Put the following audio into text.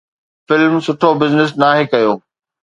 Film سٺو business ناهي ڪيو.